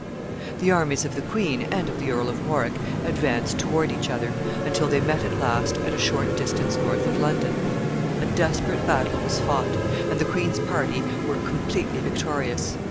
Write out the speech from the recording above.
The armies of the queen and of the Earl of Warwick advanced toward each other, until they met at last at a short distance north of London. A desperate battle was fought, and the queen's party were completely victorious.